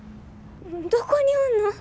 どこにおんの？